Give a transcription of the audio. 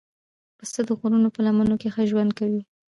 پسه د غرونو په لمنو کې ښه ژوند کوي.